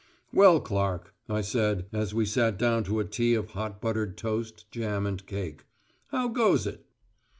"Well, Clark," I said, as we sat down to a tea of hot buttered toast, jam and cake. "How goes it?"